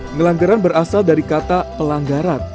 ngelanggaran berasal dari kata pelanggaran